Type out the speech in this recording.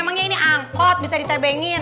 emangnya ini angkot bisa ditebengin